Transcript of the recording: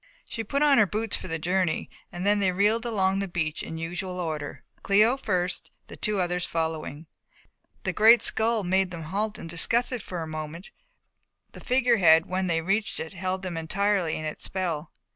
She put on her boots for the journey and then they reeled along the beach in the usual order, Cléo first, the two others following; the great skull made them halt and discuss it for a moment but the figure head when they reached it held them entirely in its spell.